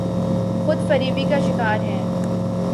خود فریبی کا شکارہیں۔